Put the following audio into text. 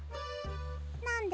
なんで？